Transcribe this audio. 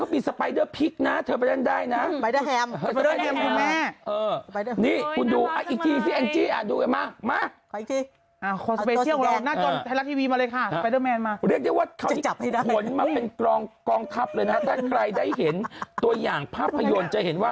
กองทัพเลยนะฮะแต่ใครได้เห็นตัวอย่างภาพยนตร์จะเห็นว่า